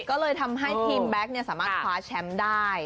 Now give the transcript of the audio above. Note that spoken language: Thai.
ก็เลยทำให้ทีมแบ็คสามารถคว้าแชมป์ได้